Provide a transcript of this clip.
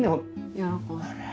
喜んで。